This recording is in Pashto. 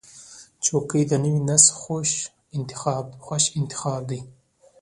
چوکۍ د نوي نسل خوښ انتخاب دی.